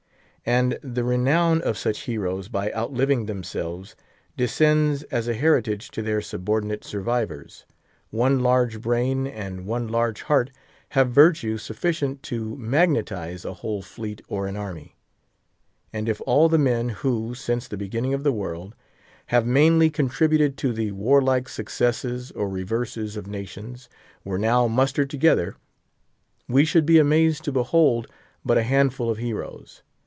And the renown of such heroes, by outliving themselves, descends as a heritage to their subordinate survivors. One large brain and one large heart have virtue sufficient to magnetise a whole fleet or an army. And if all the men who, since the beginning of the world, have mainly contributed to the warlike successes or reverses of nations, were now mustered together, we should be amazed to behold but a handful of heroes.